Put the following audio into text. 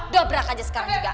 dobrak aja sekarang juga